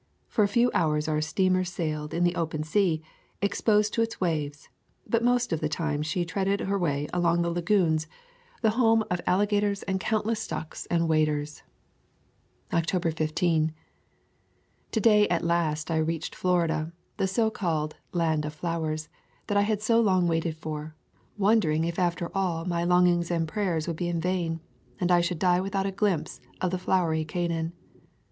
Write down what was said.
For a few hours our steamer sailed in the open sea, ex posed to its waves, but most of the time she threaded her way among the lagoons, the [ 86 ] Florida Swamps and Forests home of alligators and countless ducks and waders. October 15. To day, at last, I reached Florida, the so called "Land of Flowers," that I had so long waited for, wondering if after all my long ings and prayers would be in vain, and I should die without a glimpse of the flowery Canaan.